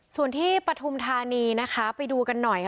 ส่วนที่ปฐุมธานีนะคะไปดูกันหน่อยค่ะ